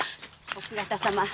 奥方様。